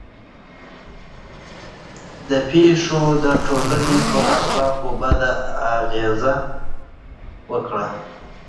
دې پېښو د ټولنې پر اخلاقو بده اغېزه وکړه.